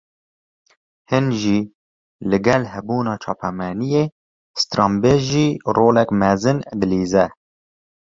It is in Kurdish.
Hîn jî, li gel hebûna çapemeniyê, stranbêj jî roleke mezin dilîze